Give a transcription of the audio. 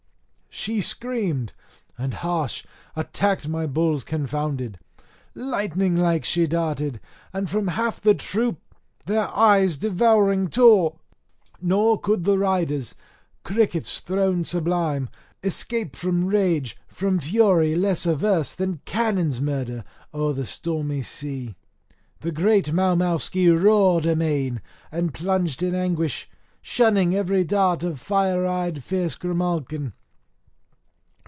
She screamed, and harsh attacked my bulls confounded; lightning like she darted, and from half the troop their eyes devouring tore. Nor could the riders, crickets throned sublime, escape from rage, from fury less averse than cannons murder o'er the stormy sea. The great Mowmowsky roared amain and plunged in anguish, shunning every dart of fire eyed fierce Grimalkin.